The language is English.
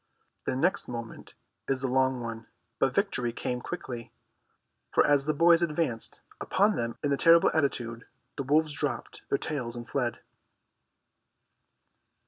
The next moment is the long one, but victory came quickly, for as the boys advanced upon them in the terrible attitude, the wolves dropped their tails and fled.